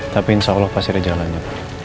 tapi insya allah pasti ada jalannya